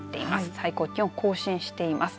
最高気温更新しています。